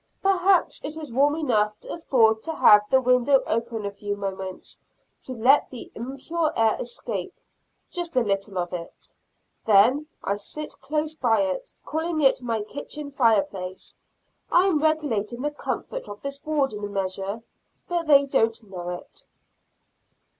Perhaps it is warm enough to afford to have the window open a few moments, to let the impure air escape just a little of it; then I sit close by it, calling it my kitchen fire place. I am regulating the comfort of this ward in a measure, but they don't know it.